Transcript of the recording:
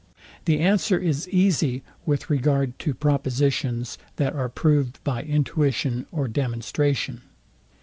The answer is easy with regard to propositions, that are proved by intuition or demonstration.